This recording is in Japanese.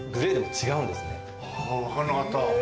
あぁ分かんなかった。